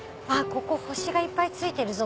ここ星がいっぱいついてるぞ！